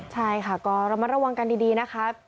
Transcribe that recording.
ใช่ค่ะก็เรามาระวังกันดีนะคะ